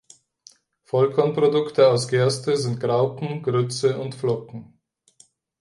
Vollkornprodukte aus Gerste sind Graupen, Grütze und Flocken.